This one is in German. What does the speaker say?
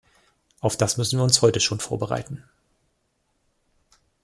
Auf das müssen wir uns heute schon vorbereiten.